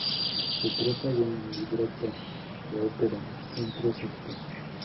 Se trata de un "libretto" de ópera en tres actos.